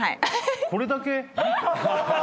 これだけ？